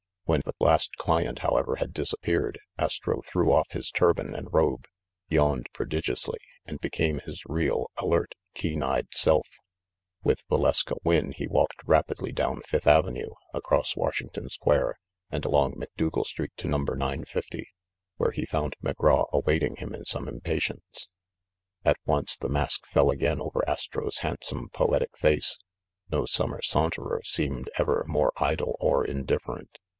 When the last client, however, had disappeared, Astro threw off his turban and robe, yawned prodigiously, and became his real, alert, keen eyed self. With Va leska Wynne he walked rapidly down Fifth Avenue, across Washington Square, and along Macdougal Street to number 950, where he found McGraw await ing him in some impatience. At once the mask fell again over Astro's handsome poetic face ; no summer saunterer seemed ever more idle or indifferent.